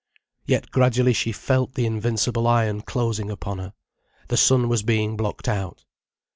Yet gradually she felt the invincible iron closing upon her. The sun was being blocked out.